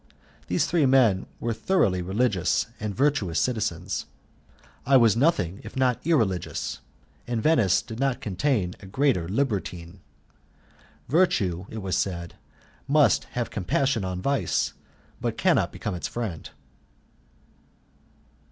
These three men were thoroughly religious and virtuous citizens; I was nothing if not irreligious, and Venice did not contain a greater libertine. Virtue, it was said, may have compassion on vice, but cannot become its friend.